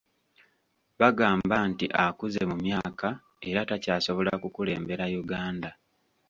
Bagamba nti akuze mu myaka era takyasobola kukulembera Uganda.